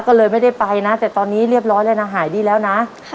ก็เลยไม่ได้ไปนะแต่ตอนนี้เรียบร้อยแล้วนะหายดีแล้วนะ